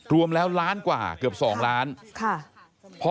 รวมแล้วล้านกว่าเกือบ๒ล้าน